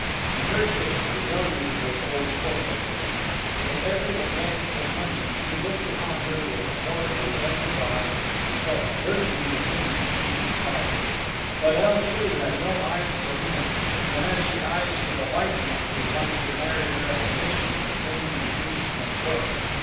In her case the deluge was old Porportuk. With every advance of money, he looked upon her with a more possessive eye, and felt bourgeoning within him ancient fires. But El Soo had no eyes for him. Nor had she eyes for the white men who wanted to marry her at the Mission with ring and priest and book.